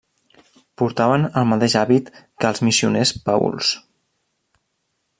Portaven el mateix hàbit que els Missioners Paüls.